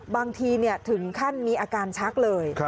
บางทีถึงขั้นมีอาการชักเลย